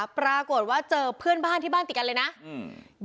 ปรากฏว่าเจอเพื่อนบ้านที่บ้านติดกันเลยนะอืม